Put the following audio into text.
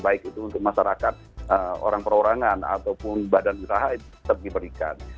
baik itu untuk masyarakat orang perorangan ataupun badan usaha itu tetap diberikan